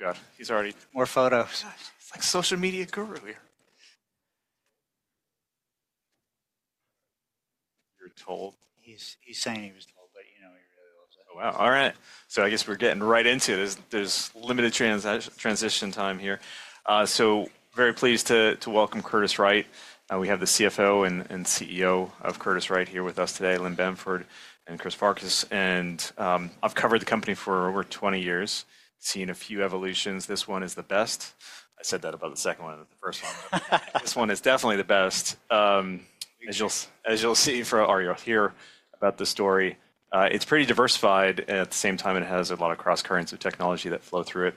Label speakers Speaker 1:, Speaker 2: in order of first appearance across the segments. Speaker 1: Oh, God. He's already.
Speaker 2: More photos. He's like a social media guru here.
Speaker 1: You're told.
Speaker 3: He's saying he was told, but you know he really loves it.
Speaker 1: Oh, wow. All right. I guess we're getting right into it. There's limited transition time here. Very pleased to welcome Curtiss-Wright. We have the CFO and CEO of Curtiss-Wright here with us today, Lynn Bamford and Chris Farkas. I've covered the company for over 20 years, seen a few evolutions. This one is the best. I said that about the second one and the first one. This one is definitely the best. As you'll see from Ariel here about the story, it's pretty diversified. At the same time, it has a lot of cross-currents of technology that flow through it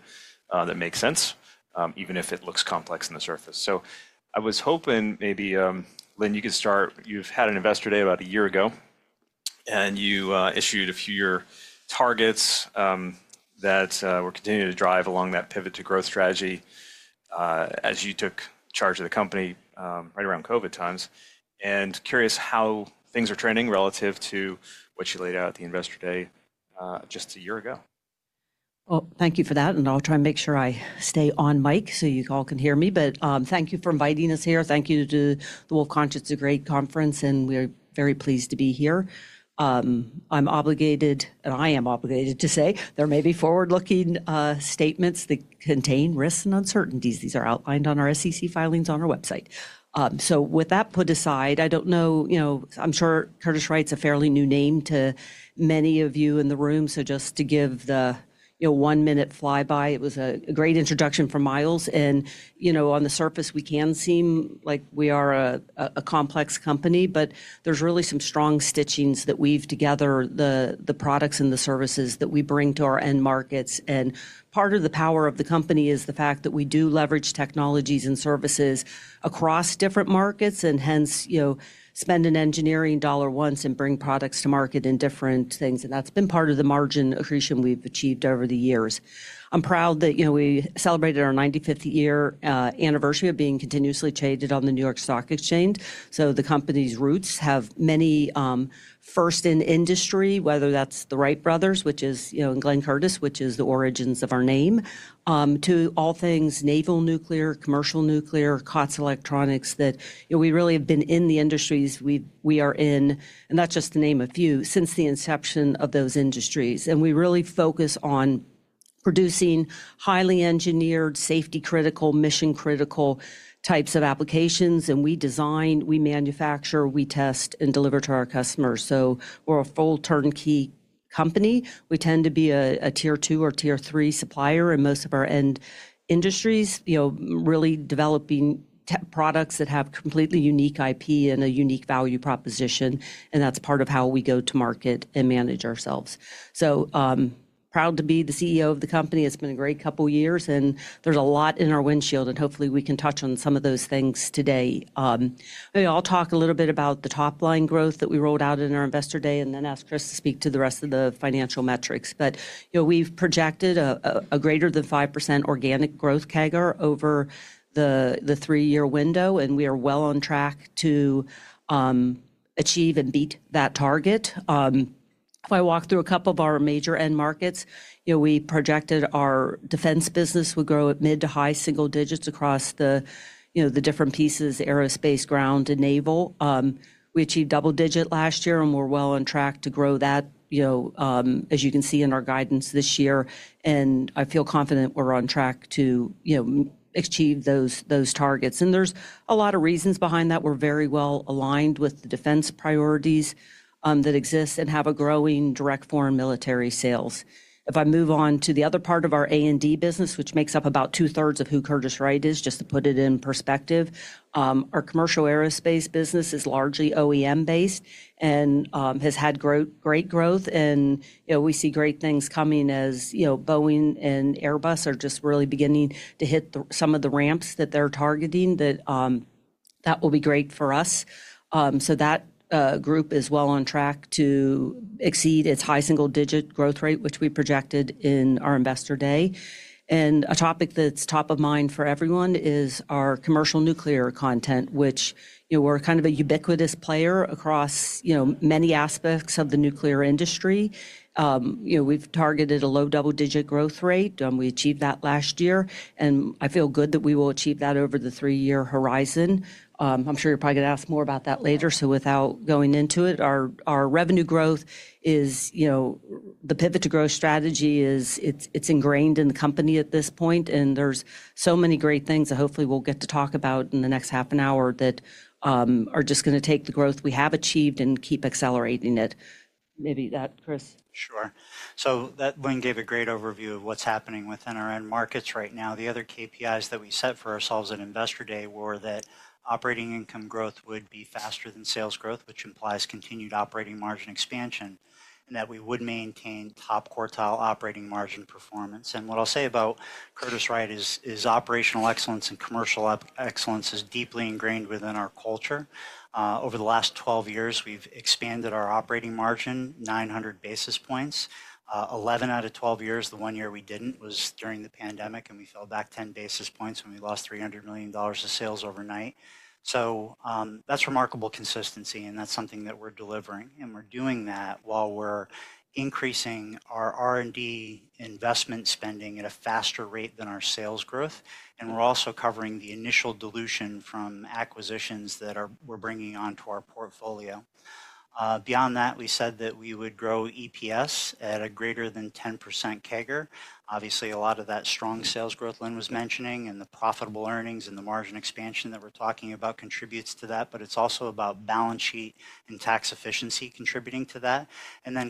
Speaker 1: that make sense, even if it looks complex on the surface. I was hoping maybe, Lynn, you could start. You've had an investor day about a year ago. You issued a few-year targets that were continuing to drive along that pivot to growth strategy as you took charge of the company right around COVID times. Curious how things are trending relative to what you laid out at the investor day just a year ago.
Speaker 4: Thank you for that. I'll try and make sure I stay on mic so you all can hear me. Thank you for inviting us here. Thank you to the [Wolfe Conscious Degree] Conference. We are very pleased to be here. I am obligated to say there may be forward-looking statements that contain risks and uncertainties. These are outlined on our SEC filings on our website. With that put aside, I do not know, I am sure Curtiss-Wright is a fairly new name to many of you in the room. Just to give the one-minute flyby, it was a great introduction from Miles. On the surface, we can seem like we are a complex company. There are really some strong stitchings that weave together the products and the services that we bring to our end markets. Part of the power of the company is the fact that we do leverage technologies and services across different markets and hence spend an engineering dollar once and bring products to market in different things. That has been part of the margin accretion we have achieved over the years. I'm proud that we celebrated our 95th year anniversary of being continuously traded on the New York Stock Exchange. The company's roots have many firsts in industry, whether that's the Wright brothers, which is Glenn Curtiss, which is the origins of our name, to all things naval nuclear, commercial nuclear, COTS electronics that we really have been in the industries we are in. That is just to name a few since the inception of those industries. We really focus on producing highly engineered, safety-critical, mission-critical types of applications. We design, we manufacture, we test, and deliver to our customers. We are a full turnkey company. We tend to be a tier two or tier three supplier in most of our end industries, really developing products that have completely unique IP and a unique value proposition. That is part of how we go to market and manage ourselves. Proud to be the CEO of the company. It has been a great couple of years. There is a lot in our windshield. Hopefully, we can touch on some of those things today. We will talk a little bit about the top-line growth that we rolled out in our investor day, and then ask Chris to speak to the rest of the financial metrics. We have projected a greater than 5% organic growth CAGR over the three-year window. We are well on track to achieve and beat that target. If I walk through a couple of our major end markets, we projected our defense business would grow at mid to high single digits across the different pieces: aerospace, ground, and naval. We achieved double-digit last year. We are well on track to grow that, as you can see in our guidance this year. I feel confident we are on track to achieve those targets. There is a lot of reasons behind that. We are very well aligned with the defense priorities that exist and have a growing direct foreign military sales. If I move on to the other part of our A&D business, which makes up about two-thirds of who Curtiss-Wright is, just to put it in perspective, our commercial aerospace business is largely OEM-based and has had great growth. We see great things coming as Boeing and Airbus are just really beginning to hit some of the ramps that they're targeting. That will be great for us. That group is well on track to exceed its high single-digit growth rate, which we projected in our investor day. A topic that's top of mind for everyone is our commercial nuclear content, which we're kind of a ubiquitous player across many aspects of the nuclear industry. We've targeted a low double-digit growth rate. We achieved that last year. I feel good that we will achieve that over the three-year horizon. I'm sure you're probably going to ask more about that later. Without going into it, our revenue growth is the pivot to growth strategy. It is ingrained in the company at this point. There are so many great things that hopefully we'll get to talk about in the next half an hour that are just going to take the growth we have achieved and keep accelerating it. Maybe that, Chris.
Speaker 5: Sure. Lynn gave a great overview of what's happening within our end markets right now. The other KPIs that we set for ourselves at investor day were that operating income growth would be faster than sales growth, which implies continued operating margin expansion, and that we would maintain top-quartile operating margin performance. What I'll say about Curtiss-Wright is operational excellence and commercial excellence is deeply ingrained within our culture. Over the last 12 years, we've expanded our operating margin 900 basis points. Eleven out of 12 years, the one year we didn't was during the pandemic. We fell back 10 basis points. We lost $300 million of sales overnight. That is remarkable consistency. That is something that we're delivering. We're doing that while we're increasing our R&D investment spending at a faster rate than our sales growth. We're also covering the initial dilution from acquisitions that we're bringing onto our portfolio. Beyond that, we said that we would grow EPS at a greater than 10% CAGR. Obviously, a lot of that strong sales growth Lynn was mentioning and the profitable earnings and the margin expansion that we're talking about contributes to that. It's also about balance sheet and tax efficiency contributing to that.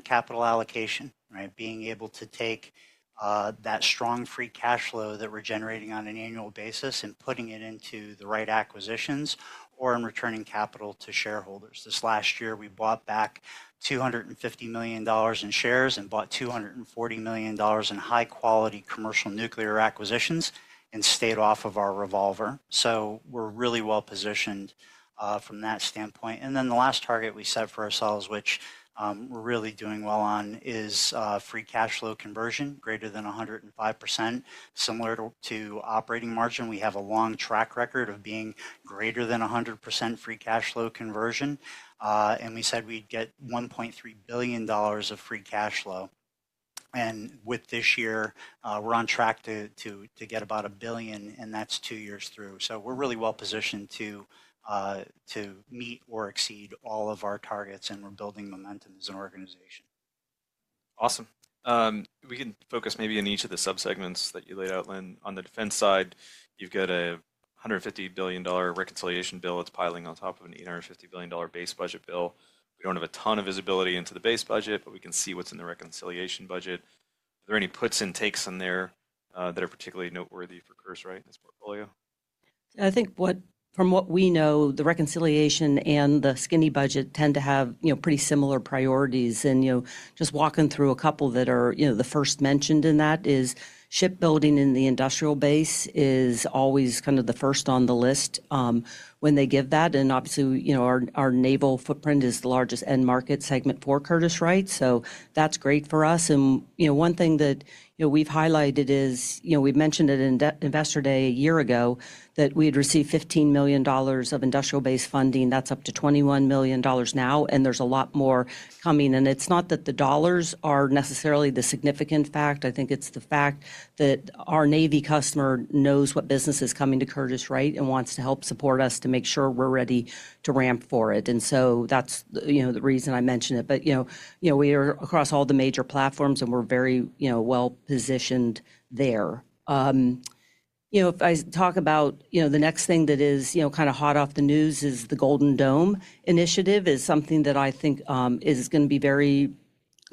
Speaker 5: Capital allocation, being able to take that strong free cash flow that we're generating on an annual basis and putting it into the right acquisitions or in returning capital to shareholders. This last year, we bought back $250 million in shares and bought $240 million in high-quality commercial nuclear acquisitions and stayed off of our revolver. We're really well-positioned from that standpoint. Then the last target we set for ourselves, which we're really doing well on, is free cash flow conversion greater than 105%. Similar to operating margin, we have a long track record of being greater than 100% free cash flow conversion. We said we'd get $1.3 billion of free cash flow. With this year, we're on track to get about $1 billion. That is two years through. We are really well-positioned to meet or exceed all of our targets. We are building momentum as an organization.
Speaker 1: Awesome. We can focus, maybe, on each of the subsegments that you laid out, Lynn. On the defense side, you have a $150 billion reconciliation bill that is piling on top of an $850 billion base budget bill. We do not have a ton of visibility into the base budget. We can see what is in the reconciliation budget. Are there any puts and takes in there that are particularly noteworthy for Curtiss-Wright in this portfolio?
Speaker 4: I think from what we know, the reconciliation and the skinny budget tend to have pretty similar priorities. Just walking through a couple that are the first mentioned in that is shipbuilding in the industrial base is always kind of the first on the list when they give that. Obviously, our naval footprint is the largest end market segment for Curtiss-Wright. That's great for us. One thing that we've highlighted is we mentioned it in investor day a year ago that we had received $15 million of industrial base funding. That's up to $21 million now. There's a lot more coming. It's not that the dollars are necessarily the significant fact. I think it's the fact that our Navy customer knows what business is coming to Curtiss-Wright and wants to help support us to make sure we're ready to ramp for it. That's the reason I mentioned it. We are across all the major platforms, and we're very well positioned there. If I talk about the next thing that is kind of hot off the news, the Golden Dome initiative is something that I think is going to be very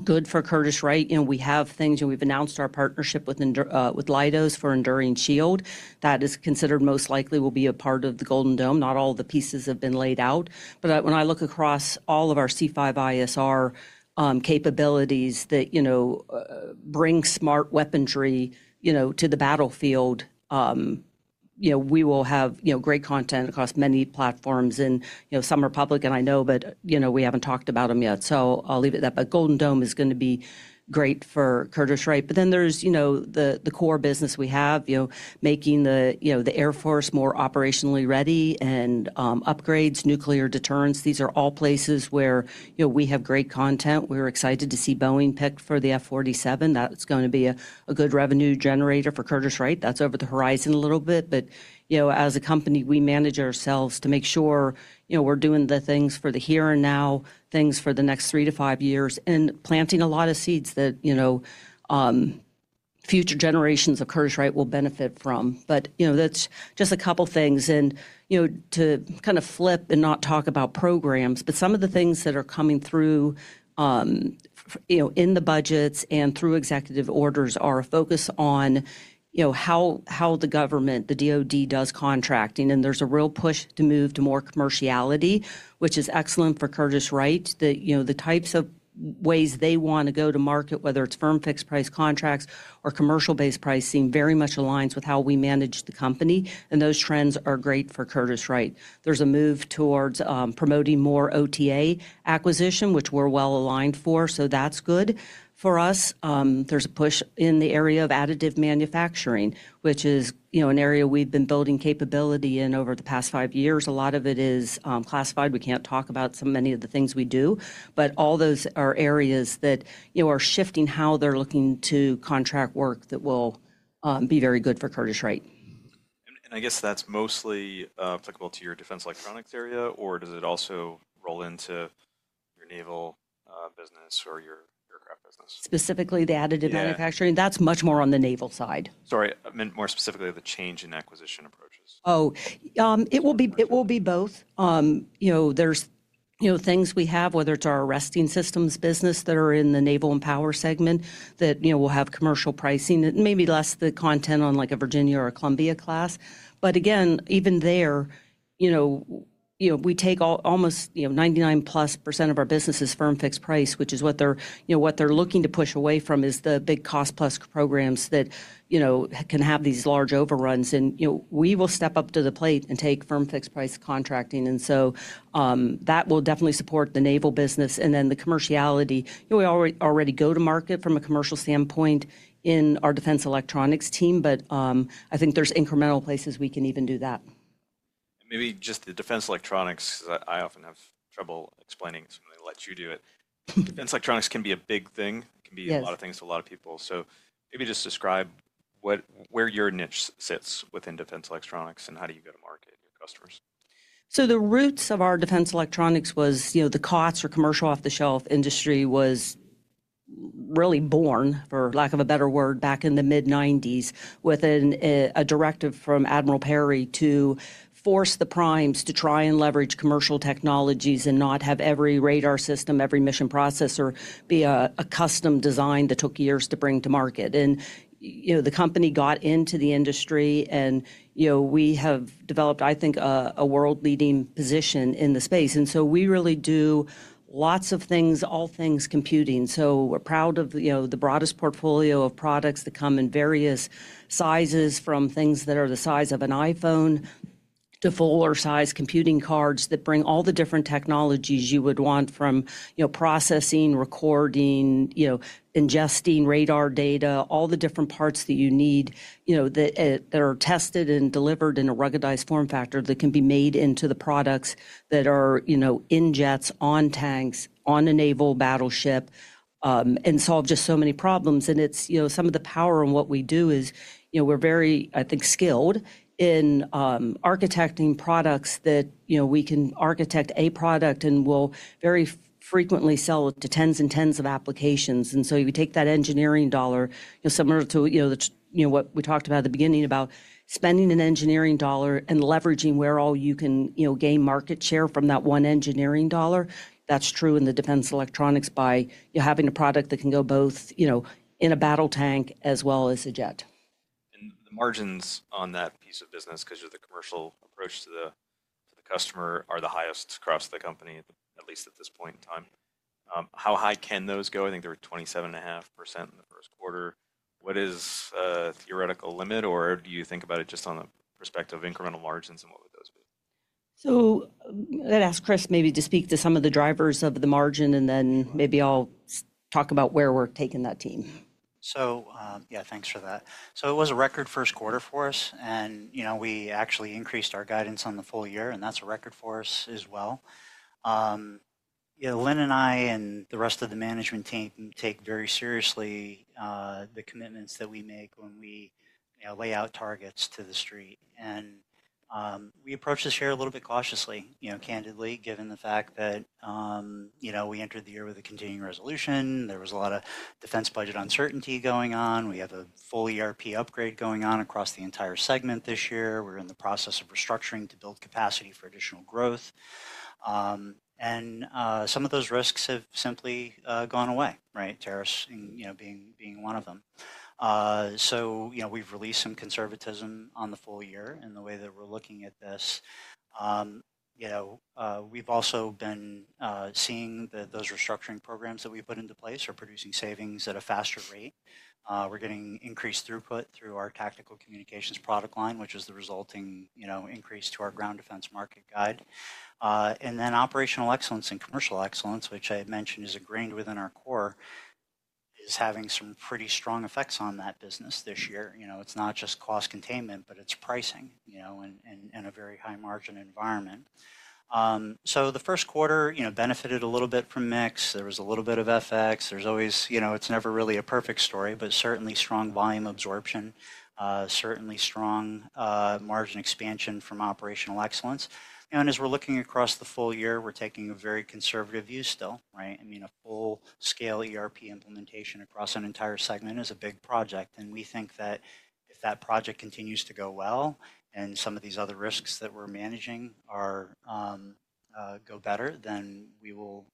Speaker 4: good for Curtiss-Wright. We have things. We've announced our partnership with Leidos for Enduring Shield. That is considered most likely will be a part of the Golden Dome. Not all the pieces have been laid out. When I look across all of our C5ISR capabilities that bring smart weaponry to the battlefield, we will have great content across many platforms. Some are public, and I know, but we haven't talked about them yet. I'll leave it at that. Golden Dome is going to be great for Curtiss-Wright. Then there's the core business we have, making the Air Force more operationally ready and upgrades, nuclear deterrence. These are all places where we have great content. We were excited to see Boeing pick for the F-47. That's going to be a good revenue generator for Curtiss-Wright. That's over the horizon a little bit. As a company, we manage ourselves to make sure we're doing the things for the here and now, things for the next three to five years, and planting a lot of seeds that future generations of Curtiss-Wright will benefit from. That's just a couple of things. To kind of flip and not talk about programs, some of the things that are coming through in the budgets and through executive orders are a focus on how the government, the DOD, does contracting. There is a real push to move to more commerciality, which is excellent for Curtiss-Wright. The types of ways they want to go to market, whether it's firm fixed price contracts or commercial-based pricing, very much aligns with how we manage the company. Those trends are great for Curtiss-Wright. There is a move towards promoting more OTA acquisition, which we're well aligned for. That is good for us. There is a push in the area of additive manufacturing, which is an area we've been building capability in over the past five years. A lot of it is classified. We can't talk about so many of the things we do. All those are areas that are shifting how they're looking to contract work that will be very good for Curtiss-Wright.
Speaker 1: I guess that's mostly applicable to your defense electronics area. Does it also roll into your naval business or your aircraft business?
Speaker 4: Specifically, the additive manufacturing. That's much more on the naval side.
Speaker 1: Sorry. I meant more specifically the change in acquisition approaches.
Speaker 4: Oh, it will be both. There are things we have, whether it is our arresting systems business that are in the naval and power segment that will have commercial pricing and maybe less the content on like a Virginia or a Columbia class. Again, even there, we take almost 99% plus of our business as firm fixed price, which is what they are looking to push away from, the big cost-plus programs that can have these large overruns. We will step up to the plate and take firm fixed price contracting. That will definitely support the naval business. The commerciality, we already go to market from a commercial standpoint in our defense electronics team. I think there are incremental places we can even do that.
Speaker 1: Maybe just the defense electronics, because I often have trouble explaining it. Somebody lets you do it. Defense electronics can be a big thing. It can be a lot of things to a lot of people. Maybe just describe where your niche sits within defense electronics and how do you go to market your customers.
Speaker 4: The roots of our defense electronics was the COTS or commercial off-the-shelf industry was really born, for lack of a better word, back in the mid-1990s with a directive from Admiral Perry to force the primes to try and leverage commercial technologies and not have every radar system, every mission processor be a custom design that took years to bring to market. The company got into the industry. We have developed, I think, a world-leading position in the space. We really do lots of things, all things computing. We're proud of the broadest portfolio of products that come in various sizes, from things that are the size of an iPhone to fuller-sized computing cards that bring all the different technologies you would want from processing, recording, ingesting radar data, all the different parts that you need that are tested and delivered in a ruggedized form factor that can be made into the products that are in jets, on tanks, on a naval battleship, and solve just so many problems. Some of the power in what we do is we're very, I think, skilled in architecting products that we can architect a product and will very frequently sell to tens and tens of applications. If you take that engineering dollar, similar to what we talked about at the beginning, about spending an engineering dollar and leveraging where all you can gain market share from that one engineering dollar, that's true in the defense electronics by having a product that can go both in a battle tank as well as a jet.
Speaker 1: The margins on that piece of business, because of the commercial approach to the customer, are the highest across the company, at least at this point in time. How high can those go? I think they were 27.5% in the first quarter. What is the theoretical limit? Or do you think about it just on the perspective of incremental margins? And what would those be?
Speaker 4: I'd ask Chris, maybe, to speak to some of the drivers of the margin. Then maybe I'll talk about where we're taking that team.
Speaker 5: Yeah, thanks for that. It was a record first quarter for us. We actually increased our guidance on the full year, and that's a record for us as well. Lynn and I and the rest of the management team take very seriously the commitments that we make when we lay out targets to the street. We approach this year a little bit cautiously, candidly, given the fact that we entered the year with a continuing resolution. There was a lot of defense budget uncertainty going on. We have a full ERP upgrade going on across the entire segment this year. We're in the process of restructuring to build capacity for additional growth. Some of those risks have simply gone away, right? Tariffs being one of them. We've released some conservatism on the full year in the way that we're looking at this. We've also been seeing that those restructuring programs that we put into place are producing savings at a faster rate. We're getting increased throughput through our tactical communications product line, which is the resulting increase to our ground defense market guide. Operational excellence and commercial excellence, which I had mentioned, is ingrained within our core, is having some pretty strong effects on that business this year. It's not just cost containment, but it's pricing in a very high-margin environment. The first quarter benefited a little bit from mix. There was a little bit of FX. It's never really a perfect story, but certainly strong volume absorption, certainly strong margin expansion from operational excellence. As we're looking across the full year, we're taking a very conservative view still, right? I mean, a full-scale ERP implementation across an entire segment is a big project. We think that if that project continues to go well and some of these other risks that we are managing go better, then we will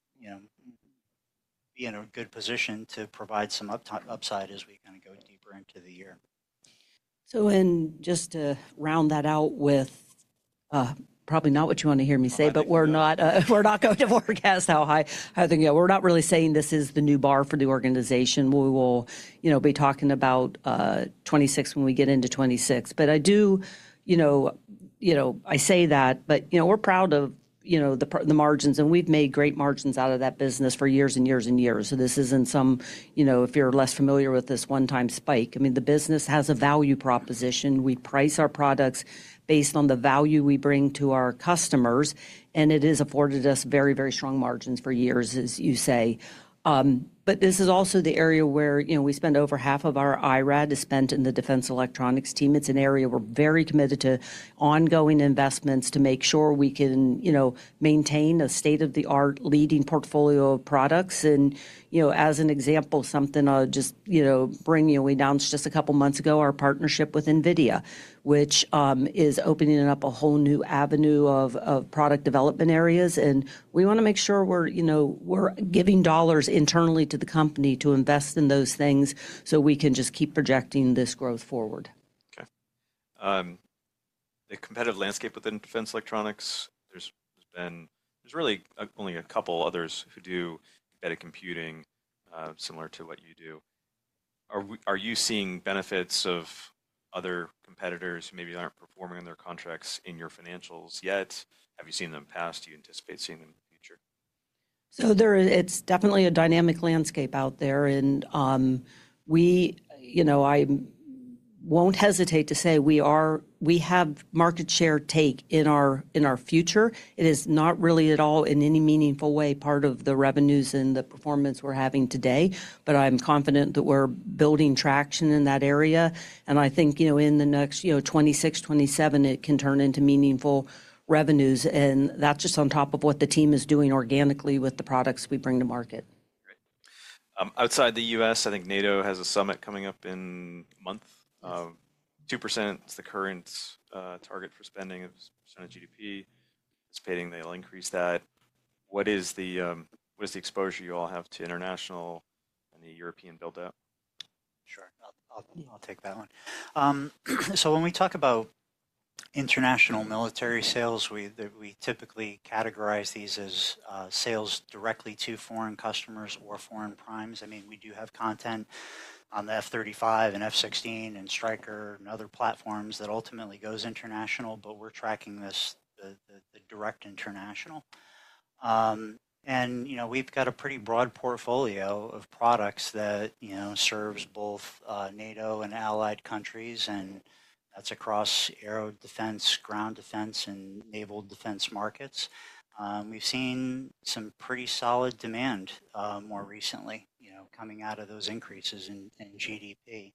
Speaker 5: be in a good position to provide some upside as we kind of go deeper into the year.
Speaker 4: And just to round that out with probably not what you want to hear me say, but we're not going to forecast how high. We're not really saying this is the new bar for the organization. We will be talking about 2026 when we get into 2026. But I say that. But we're proud of the margins. And we've made great margins out of that business for years and years and years. This isn't some, if you're less familiar with this, one-time spike. I mean, the business has a value proposition. We price our products based on the value we bring to our customers. And it has afforded us very, very strong margins for years, as you say. But this is also the area where we spend over half of our IRAD, is spent in the defense electronics team. It's an area we're very committed to ongoing investments to make sure we can maintain a state-of-the-art, leading portfolio of products. For example, something I'll just bring you, we announced just a couple of months ago our partnership with NVIDIA, which is opening up a whole new avenue of product development areas. We want to make sure we're giving dollars internally to the company to invest in those things so we can just keep projecting this growth forward.
Speaker 1: Okay. The competitive landscape within defense electronics, there's been there's really only a couple others who do embedded computing similar to what you do. Are you seeing benefits of other competitors who maybe aren't performing on their contracts in your financials yet? Have you seen them in the past? Do you anticipate seeing them in the future?
Speaker 4: It is definitely a dynamic landscape out there. I will not hesitate to say we have market share take in our future. It is not really at all in any meaningful way part of the revenues and the performance we are having today. I am confident that we are building traction in that area. I think in the next 2026, 2027, it can turn into meaningful revenues. That is just on top of what the team is doing organically with the products we bring to market.
Speaker 1: Great. Outside the U.S., I think NATO has a summit coming up in a month. 2% is the current target for spending of GDP. Anticipating they'll increase that. What is the exposure you all have to international and the European build-out?
Speaker 5: Sure. I'll take that one. When we talk about international military sales, we typically categorize these as sales directly to foreign customers or foreign primes. I mean, we do have content on the F-35 and F-16 and Stryker and other platforms that ultimately goes international. We're tracking the direct international. We've got a pretty broad portfolio of products that serves both NATO and allied countries. That's across aero defense, ground defense, and naval defense markets. We've seen some pretty solid demand more recently coming out of those increases in GDP.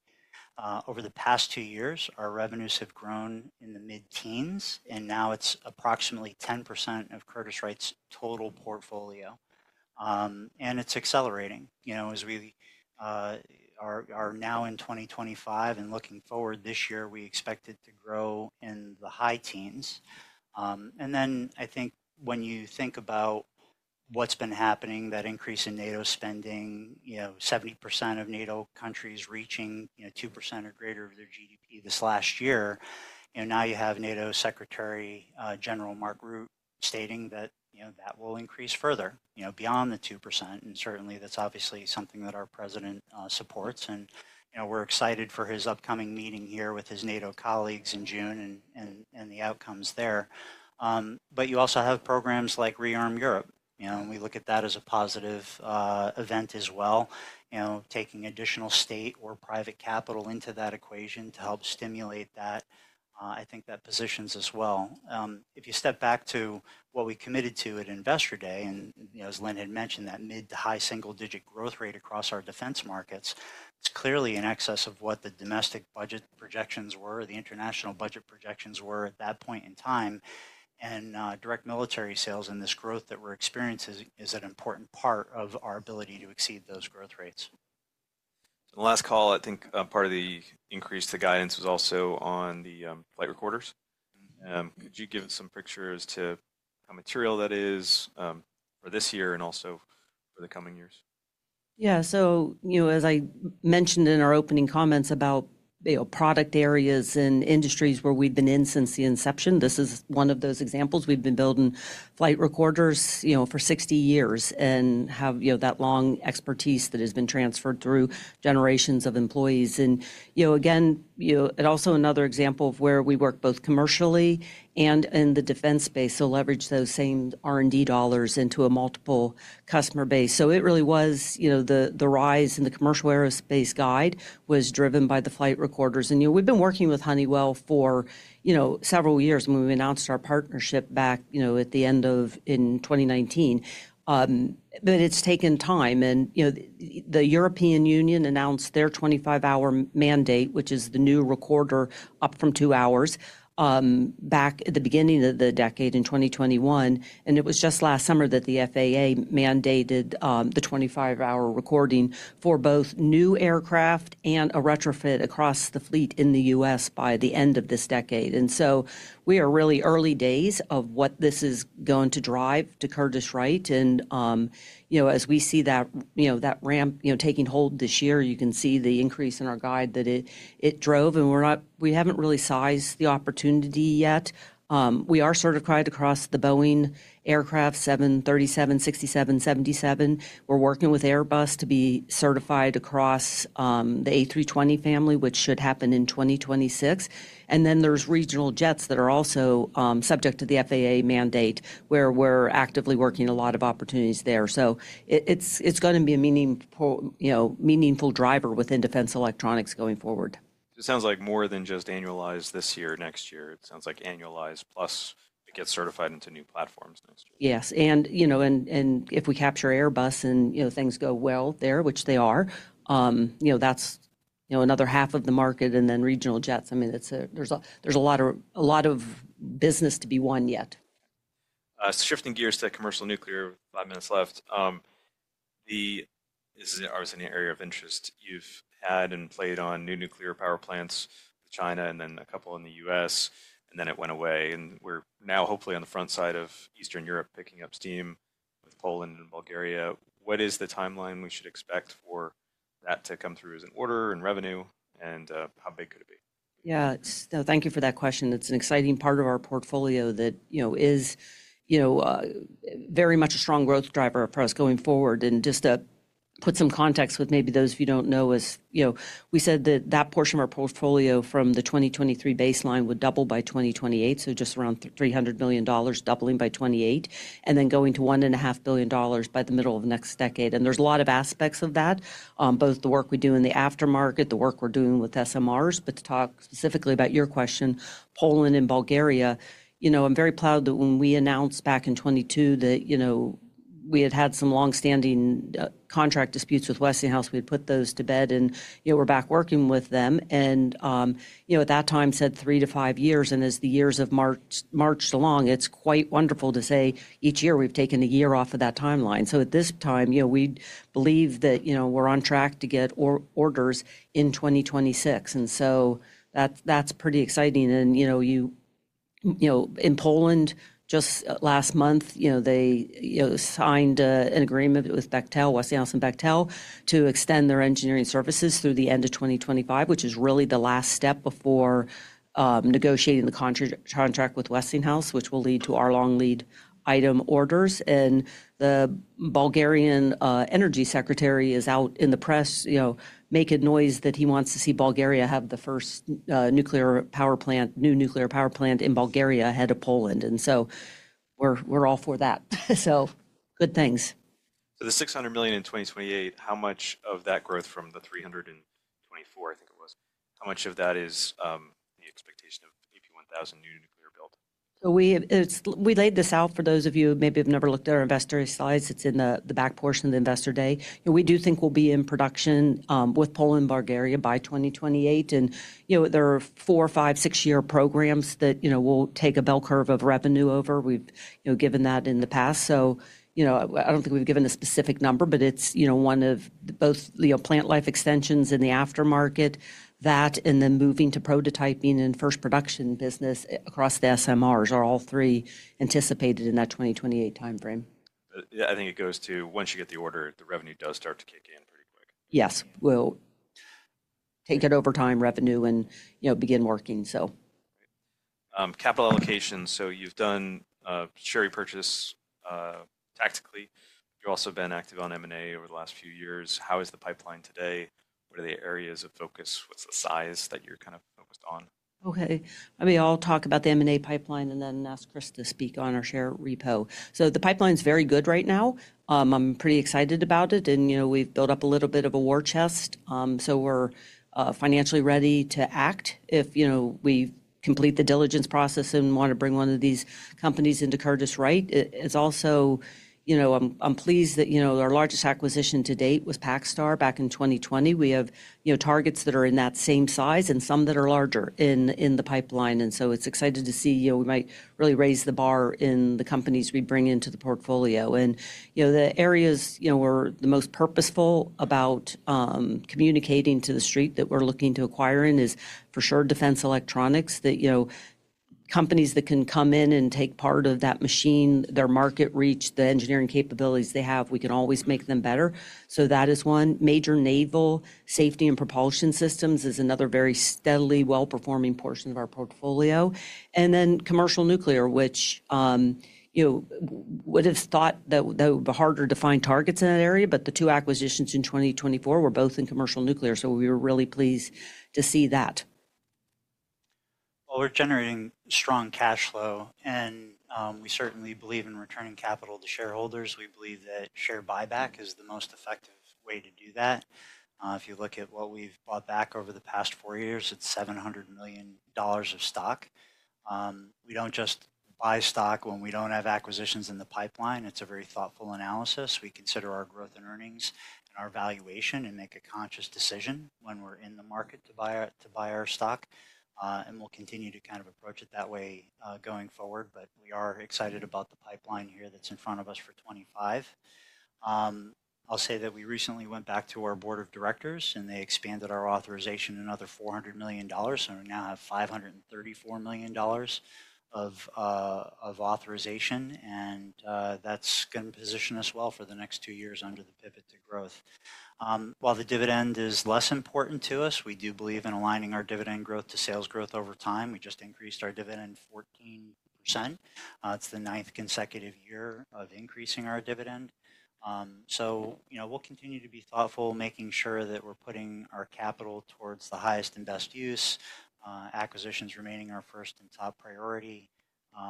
Speaker 5: Over the past two years, our revenues have grown in the mid-teens. Now it's approximately 10% of Curtiss-Wright's total portfolio. It's accelerating. As we are now in 2025 and looking forward this year, we expect it to grow in the high teens. I think when you think about what's been happening, that increase in NATO spending, 70% of NATO countries reaching 2% or greater of their GDP this last year, now you have NATO Secretary General Mark Rutte stating that that will increase further beyond the 2%. Certainly, that's obviously something that our president supports. We're excited for his upcoming meeting here with his NATO colleagues in June and the outcomes there. You also have programs like ReArm Europe. We look at that as a positive event as well, taking additional state or private capital into that equation to help stimulate that. I think that positions as well. If you step back to what we committed to at Investor Day, and as Lynn had mentioned, that mid to high single-digit growth rate across our defense markets, it's clearly in excess of what the domestic budget projections were, the international budget projections were at that point in time. Direct military sales and this growth that we're experiencing is an important part of our ability to exceed those growth rates.
Speaker 1: On the last call, I think part of the increase to guidance was also on the flight recorders. Could you give some pictures to how material that is for this year and also for the coming years?
Speaker 4: Yeah. As I mentioned in our opening comments about product areas and industries where we've been in since the inception, this is one of those examples. We've been building flight recorders for 60 years and have that long expertise that has been transferred through generations of employees. Again, it also is another example of where we work both commercially and in the defense space to leverage those same R&D dollars into a multiple customer base. It really was the rise in the commercial aerospace guide that was driven by the flight recorders. We've been working with Honeywell for several years, when we announced our partnership back at the end of 2019. It's taken time. The European Union announced their 25-hour mandate, which is the new recorder, up from two hours, back at the beginning of the decade in 2021. It was just last summer that the FAA mandated the 25-hour recording for both new aircraft and a retrofit across the fleet in the U.S. by the end of this decade. We are really early days of what this is going to drive to Curtiss-Wright. As we see that ramp taking hold this year, you can see the increase in our guide that it drove. We have not really sized the opportunity yet. We are certified across the Boeing aircraft, 737, 767, 777. We are working with Airbus to be certified across the A320 family, which should happen in 2026. There are regional jets that are also subject to the FAA mandate where we are actively working a lot of opportunities there. It is going to be a meaningful driver within defense electronics going forward.
Speaker 1: It sounds like more than just annualized this year, next year. It sounds like annualized plus it gets certified into new platforms next year.
Speaker 4: Yes. If we capture Airbus and things go well there, which they are, that's another half of the market. I mean, there's a lot of business to be won yet in regional jets.
Speaker 1: Shifting gears to commercial nuclear, five minutes left. This is an area of interest. You have had and played on new nuclear power plants with China and then a couple in the U.S. And then it went away. We are now hopefully on the front side of Eastern Europe picking up steam with Poland and Bulgaria. What is the timeline we should expect for that to come through as an order and revenue? And how big could it be?
Speaker 4: Yeah. No, thank you for that question. It's an exciting part of our portfolio that is very much a strong growth driver for us going forward. Just to put some context with maybe those of you who do not know, we said that that portion of our portfolio from the 2023 baseline would double by 2028, so just around $300 million doubling by 2028, and then going to $1.5 billion by the middle of the next decade. There are a lot of aspects of that, both the work we do in the aftermarket, the work we're doing with SMRs. To talk specifically about your question, Poland and Bulgaria, I'm very proud that when we announced back in 2022 that we had had some longstanding contract disputes with Westinghouse, we had put those to bed. We're back working with them. At that time said three to five years. As the years have marched along, it's quite wonderful to say each year we've taken a year off of that timeline. At this time, we believe that we're on track to get orders in 2026. That's pretty exciting. In Poland, just last month, they signed an agreement with Westinghouse and Bechtel to extend their engineering services through the end of 2025, which is really the last step before negotiating the contract with Westinghouse, which will lead to our long lead item orders. The Bulgarian energy secretary is out in the press making noise that he wants to see Bulgaria have the first new nuclear power plant in Bulgaria ahead of Poland. We're all for that. Good things.
Speaker 1: The $600 million in 2028, how much of that growth from the $324, I think it was, how much of that is the expectation of maybe $1,000 new nuclear build?
Speaker 4: We laid this out for those of you who maybe have never looked at our investor slides. It is in the back portion of the Investor Day. We do think we will be in production with Poland and Bulgaria by 2028. There are four-, five-, six-year programs that will take a bell curve of revenue over. We have given that in the past. I do not think we have given a specific number, but it is one of both plant life extensions in the aftermarket that, and then moving to prototyping and first production business across the SMRs are all three anticipated in that 2028 time frame.
Speaker 1: I think it goes to once you get the order, the revenue does start to kick in pretty quick.
Speaker 4: Yes. We'll take that overtime revenue and begin working, so.
Speaker 1: Capital allocation. So you've done share purchase tactically. You've also been active on M&A over the last few years. How is the pipeline today? What are the areas of focus? What's the size that you're kind of focused on?
Speaker 4: OK. I mean, I'll talk about the M&A pipeline and then ask Chris to speak on our share repo. The pipeline is very good right now. I'm pretty excited about it. We've built up a little bit of a war chest. We're financially ready to act if we complete the diligence process and want to bring one of these companies into Curtiss-Wright. I'm also pleased that our largest acquisition to date was Pakstar back in 2020. We have targets that are in that same size and some that are larger in the pipeline. It's exciting to see we might really raise the bar in the companies we bring into the portfolio. The areas we are the most purposeful about communicating to the street that we are looking to acquire in is for sure defense electronics, that companies that can come in and take part of that machine, their market reach, the engineering capabilities they have, we can always make them better. That is one. Major naval safety and propulsion systems is another very steadily, well-performing portion of our portfolio. Commercial nuclear, which would have thought that it would be harder to find targets in that area. The two acquisitions in 2024 were both in commercial nuclear. We were really pleased to see that.
Speaker 5: We're generating strong cash flow. We certainly believe in returning capital to shareholders. We believe that share buyback is the most effective way to do that. If you look at what we've bought back over the past four years, it's $700 million of stock. We don't just buy stock when we don't have acquisitions in the pipeline. It's a very thoughtful analysis. We consider our growth and earnings and our valuation and make a conscious decision when we're in the market to buy our stock. We'll continue to kind of approach it that way going forward. We are excited about the pipeline here that's in front of us for 2025. I'll say that we recently went back to our Board of Directors, and they expanded our authorization another $400 million. We now have $534 million of authorization. That is going to position us well for the next two years under the pivot to growth. While the dividend is less important to us, we do believe in aligning our dividend growth to sales growth over time. We just increased our dividend 14%. It is the ninth consecutive year of increasing our dividend. We will continue to be thoughtful, making sure that we are putting our capital towards the highest and best use. Acquisitions remain our first and top priority. We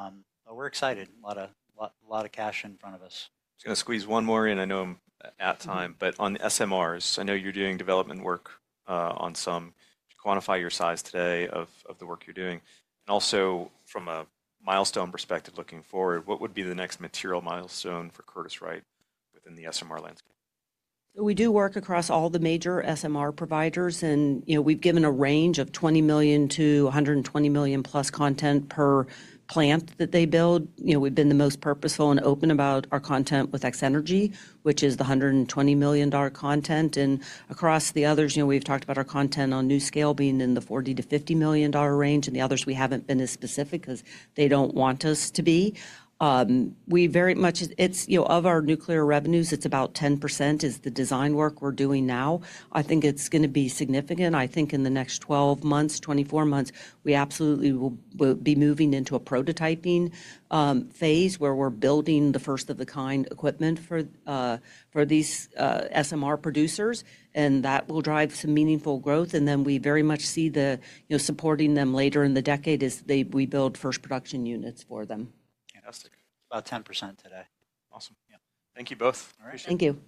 Speaker 5: are excited. A lot of cash in front of us.
Speaker 1: I'm just going to squeeze one more in. I know I'm at time. On SMRs, I know you're doing development work on some. Quantify your size today of the work you're doing. Also, from a milestone perspective, looking forward, what would be the next material milestone for Curtiss-Wright within the SMR landscape?
Speaker 4: We do work across all the major SMR providers. We've given a range of $20 million-$120 million plus content per plant that they build. We've been the most purposeful and open about our content with X-Energy, which is the $120 million content. Across the others, we've talked about our content on NuScale being in the $40 million-$50 million range. The others, we haven't been as specific because they don't want us to be. Of our nuclear revenues, it's about 10% is the design work we're doing now. I think it's going to be significant. I think in the next 12 months, 24 months, we absolutely will be moving into a prototyping phase where we're building the first-of-a-kind equipment for these SMR producers. That will drive some meaningful growth. We very much see the supporting them later in the decade as we build first production units for them.
Speaker 1: Fantastic.
Speaker 5: About 10% today.
Speaker 1: Awesome. Thank you both.
Speaker 4: Thank you.